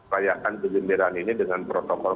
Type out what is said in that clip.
rayakan kegembiraan ini dengan protokol